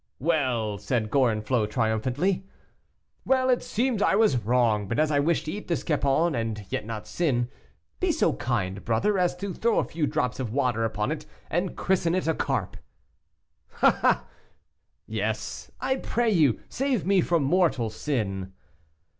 "Well!" said Gorenflot, triumphantly. "Well I it seems I was wrong, but as I wish to eat this capon, and yet not sin, be so kind, brother, as to throw a few drops of water upon it, and christen it a carp." "Ah! ah!" "Yes, I pray you, save me from mortal sin."